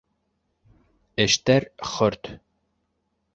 Эштәр хөрт!